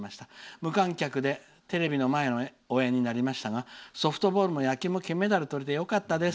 無観客でテレビの前で応援になりましたがソフトボールも野球も金メダルとれてよかったです。